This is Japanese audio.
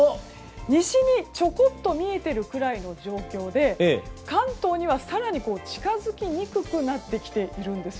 西にちょこんと見えているくらいの状況で関東には、更に近づきにくくなってきているんです。